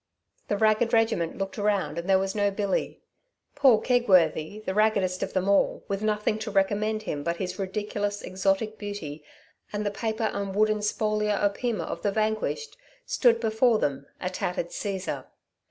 The ragged regiment looked around and there was no Billy. Paul Kegworthy, the raggedest of them all, with nothing to recommend him but his ridiculous exotic beauty and the paper and wooden spolia opima of the vanquished, stood before them, a tattered Caesar.